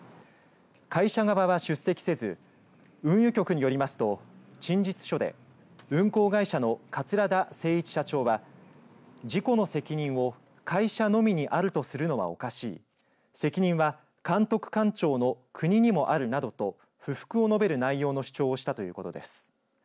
会社側は出席せず運輸局によりますと陳述書で運航会社の桂田精一社長は事故の責任を会社のみにあるとするのはおかしい責任は監督官庁の国にもあるなどと不服を述べる内容の主張をしたということです。